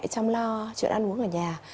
trong lo chuyện ăn bố mẹ